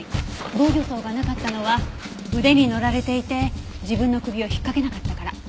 防御創がなかったのは腕に乗られていて自分の首を引っかけなかったから。